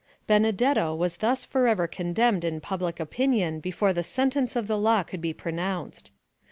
Benedetto was thus forever condemned in public opinion before the sentence of the law could be pronounced.